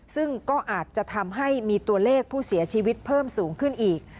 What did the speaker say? ซึ่งก็อาจจะทำให้มีตัวเลขผู้เสียชีวิตเพิ่มสูงขึ้นอีก